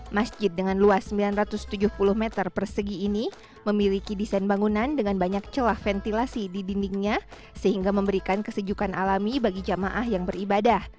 masjid dengan luas sembilan ratus tujuh puluh meter persegi ini memiliki desain bangunan dengan banyak celah ventilasi di dindingnya sehingga memberikan kesejukan alami bagi jamaah yang beribadah